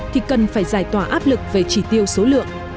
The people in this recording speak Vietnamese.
thì cần phải giải tỏa áp lực về chỉ tiêu số lượng